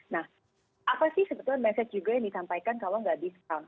nah apa sih sebetulnya message juga yang ditampaikan kalau tidak di discount